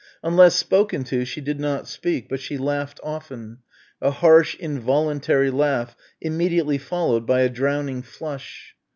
Unless spoken to she did not speak, but she laughed often, a harsh involuntary laugh immediately followed by a drowning flush.